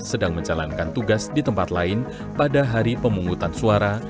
sedang menjalankan tugas di tempat lain pada hari pemungutan suara